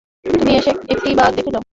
তুমি এসে একটিবার দেখে যাও।